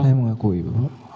saya mengakui bapak